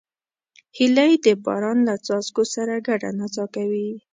هیلۍ د باران له څاڅکو سره ګډه نڅا کوي